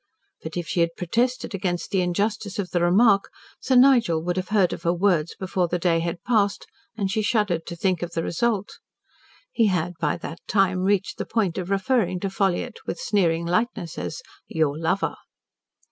But if she had protested against the injustice of the remark, Sir Nigel would have heard of her words before the day had passed, and she shuddered to think of the result. He had by that time reached the point of referring to Ffolliott with sneering lightness, as "Your lover."